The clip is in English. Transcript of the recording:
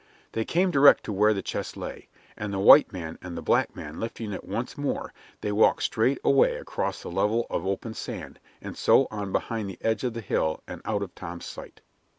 They came direct to where the chest lay, and the white man and the black man lifting it once more, they walked away across the level of open sand, and so on behind the edge of the hill and out of Tom's sight.